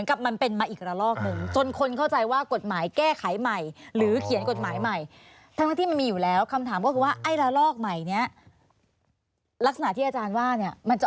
ลักษณะที่อาจารย์ว่าเนี่ยมันจะออกมาไปได้ไหม